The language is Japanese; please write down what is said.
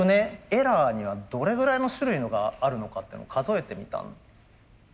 エラーにはどれぐらいの種類があるのかっていうのを数えてみたんですよ。